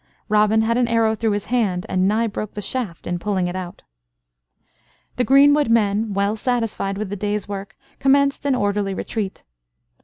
Robin had an arrow through his hand, and nigh broke the shaft in pulling it out. The greenwood men, well satisfied with the day's work, commenced an orderly retreat.